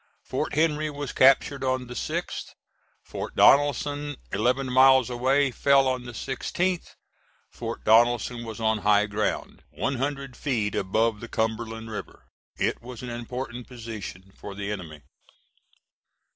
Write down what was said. Fort Henry was captured on the 6th; Fort Donelson, eleven miles away, fell on the 16th. Fort Donelson was on high ground, one hundred feet above the Cumberland River. It was an important position for the enemy.